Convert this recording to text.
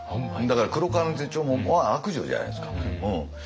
だから「黒革の手帖」は悪女じゃないですか。